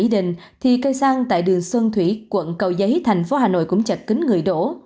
vì thế thành phố hà nội cũng chật kính người đổ